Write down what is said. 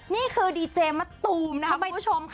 นี่คือดีเจมะตูมนะคะคุณผู้ชมค่ะ